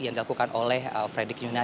yang dilakukan oleh fredrik yunadi